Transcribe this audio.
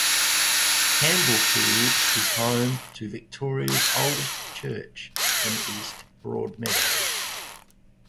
Campbellfield is home to Victoria's oldest church in east Broadmeadows.